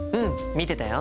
見てたよ。